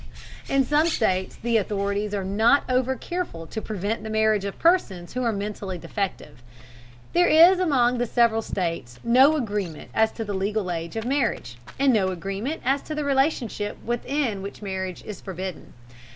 In some states the authorities are not overcareful to prevent the marriage of persons who are mentally defective. There is among the several states no agreement as to the legal age of marriage, and no agreement as to the relationship within which marriage is forbidden.